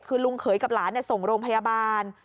คือลุงเขยกับหลานส่งโรงพยาบาล